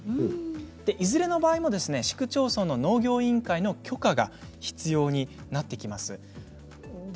いずれの場合も、市区町村の農業委員会の許可が必要になります。